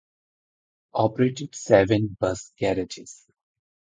Operated seven bus garages.